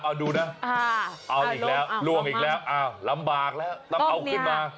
เอาดูนะเอาอีกแล้วล่วงอีกแล้วอ้าวลำบากแล้วต้องเอาขึ้นมา